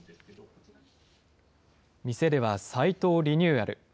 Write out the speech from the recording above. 店ではサイトをリニューアル。